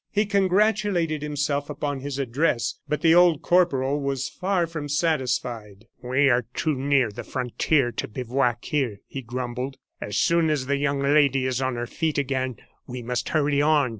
He congratulated himself upon his address, but the old corporal was far from satisfied. "We are too near the frontier to bivouac here," he grumbled. "As soon as the young lady is on her feet again we must hurry on."